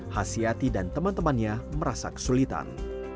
has yati dan teman temannya merasa kesulitan